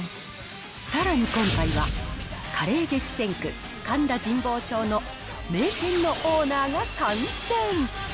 さらに今回は、カレー激戦区、神田神保町の名店のオーナーが参戦。